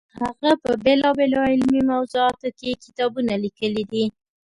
هغه په بېلابېلو علمي موضوعاتو کې کتابونه لیکلي دي.